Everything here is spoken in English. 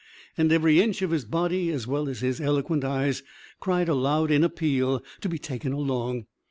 And every inch of his body as well as his eloquent eyes cried aloud in appeal to be taken along.